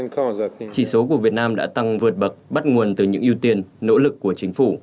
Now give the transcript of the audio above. chỉ số của việt nam đã tăng vượt bậc bắt nguồn từ những ưu tiên nỗ lực của chính phủ